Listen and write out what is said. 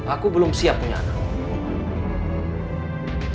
aku belum siap punya anak